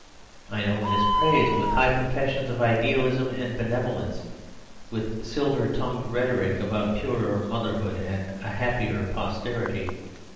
I know it is praised with high professions of idealism and benevolence; with silver tongued rhetoric about purer motherhood and a happier posterity.